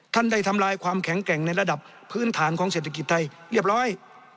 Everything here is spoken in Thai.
ท่านได้ทำลายความแข็งแกร่งในระดับพื้นฐานของเศรษฐกิจไทยเรียบร้อย